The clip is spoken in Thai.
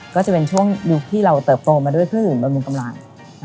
ก็จะเป็นช่วงยุคที่เราเติบโตมาด้วยเพื่อนอื่นบริมุมกำลัง